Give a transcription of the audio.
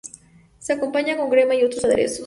Se acompaña con crema y otros aderezos.